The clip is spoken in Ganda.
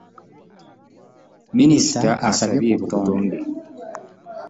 Minista asabye ku butonde .